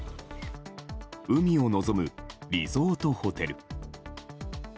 海を臨むリゾートホテル。